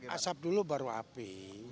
asap dulu baru api